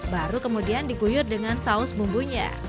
baru kemudian diguyur dengan saus bumbunya